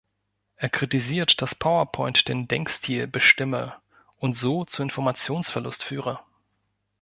Er kritisiert, dass Powerpoint den Denkstil bestimme und so zu Informationsverlust führe.